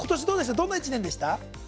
どんな１年でした？